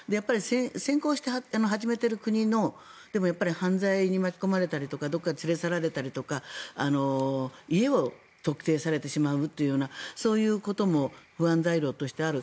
先行して始めてる国のやはり犯罪に巻き込まれたりとかどこかに連れ去られたりとか家を特定されてしまうというそういうことも不安材料としてある。